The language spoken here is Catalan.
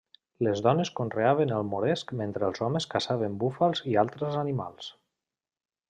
Les dones conreaven el moresc mentre els homes caçaven búfals i altres animals.